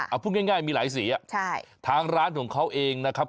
เอาพูดง่ายมีหลายสีทางร้านของเขาเองนะครับ